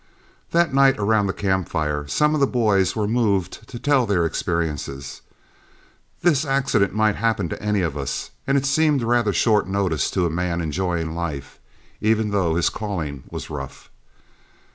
That night around the camp fire some of the boys were moved to tell their experiences. This accident might happen to any of us, and it seemed rather short notice to a man enjoying life, even though his calling was rough.